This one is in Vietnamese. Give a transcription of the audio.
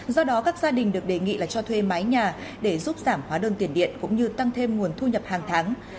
do đó các gia đình được đề nghị là cho thuê mái nhà để giúp giảm hóa đơn tiền điện cũng như tăng thêm nguồn thu nhập hàng tháng